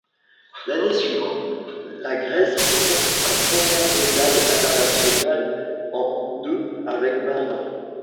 L'année suivante, la Grèce remporte sa première médaille internationale en deux avec barreur.